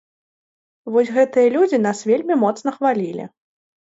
Вось гэтыя людзі нас вельмі моцна хвалілі.